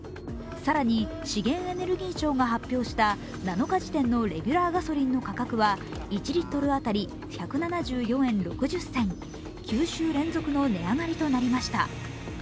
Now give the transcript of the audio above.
更に資源エネルギー庁が発表した７日時点のレギュラーガソリンの価格は１リットル当たり１７４円６０銭、９週連続の値上がりとなりました。